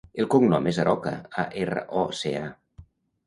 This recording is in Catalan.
El cognom és Aroca: a, erra, o, ce, a.